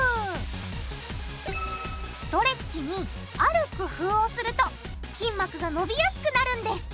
ストレッチにある工夫をすると筋膜がのびやすくなるんです。